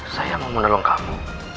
saya mau menolong kamu